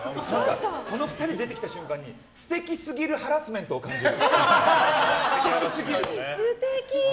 この２人出てきた瞬間に素敵すぎるハラスメントを感じる。